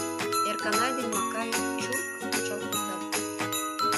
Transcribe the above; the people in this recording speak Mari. Эрканай ден Макай чурк ончал колтат.